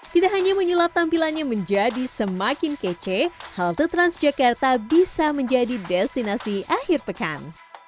tidak hanya menyulap tampilannya menjadi semakin kece halte transjakarta bisa menjadi destinasi akhir pekan